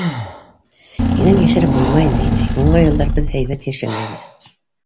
Һинән йәшереп булмай инде, инәй. һуңғы йылдар беҙ һәйбәт йәшәмәйбеҙ.